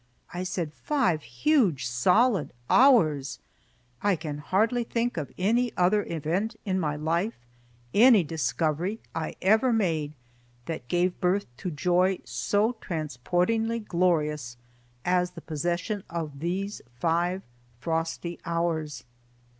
I said, "five huge, solid hours!" I can hardly think of any other event in my life, any discovery I ever made that gave birth to joy so transportingly glorious as the possession of these five frosty hours.